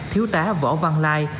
thiếu tá võ văn lai